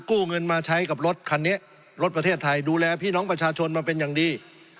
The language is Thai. กู้เงินมาใช้กับรถคันนี้รถประเทศไทยดูแลพี่น้องประชาชนมาเป็นอย่างดี